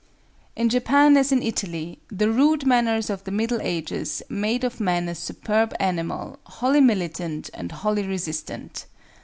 In Japan as in Italy 'the rude manners of the Middle Ages made of man a superb animal, wholly militant and wholly resistant.